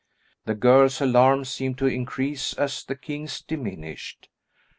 The girl's alarm seemed to increase as the king's diminished.